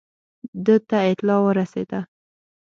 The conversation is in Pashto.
ده ته اطلاع ورسېده.